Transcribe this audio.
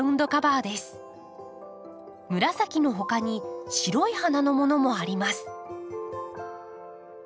紫のほかに白い花のものもあります。